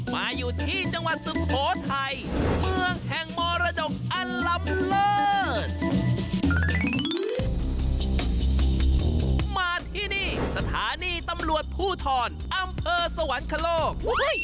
มาที่นี่สถานีตำรวจผู้ถอนอำเภอสวรรคโลก